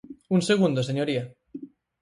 Un segundo, señoría.